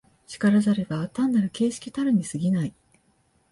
然らざれば単なる形式たるに過ぎない。